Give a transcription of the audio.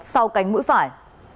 sau cánh mũi phải